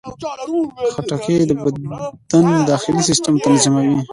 خټکی د بدن داخلي سیستم تنظیموي.